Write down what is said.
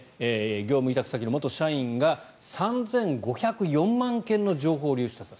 業務委託先の元社員が３５０４万件の情報を流出させた。